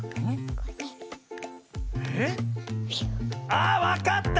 あわかった！